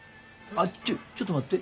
あっちょちょっと待って。